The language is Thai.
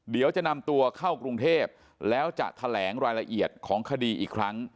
เดี๋ยวจะนำตัวเข้ากรุงเทพแล้วจะแถลงรายละเอียดของคดีอีกครั้ง